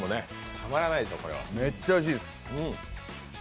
めっちゃおいしいです。